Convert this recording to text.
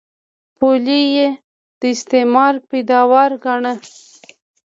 پولې یې د استعمار پیداوار ګاڼه.